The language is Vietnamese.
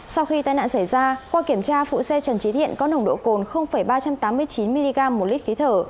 sau khi tai nạn xảy ra qua kiểm tra phụ xe trần trí thiện có nồng độ cồn ba trăm tám mươi chín mg một lít khí thở